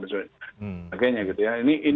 dan sebagainya gitu ya